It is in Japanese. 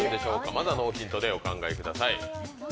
まずはノーヒントでお考えください。